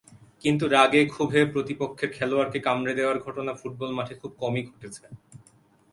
কিন্তু রাগে-ক্ষোভে প্রতিপক্ষের খেলোয়াড়কে কামড়ে দেওয়ার ঘটনা ফুটবল মাঠে খুব কমই ঘটেছে।